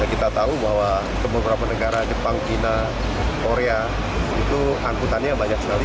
dan kita tahu bahwa beberapa negara jepang china korea itu angkutannya banyak sekali